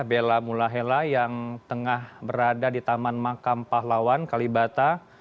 bella mulahela yang tengah berada di taman makam pahlawan kalibata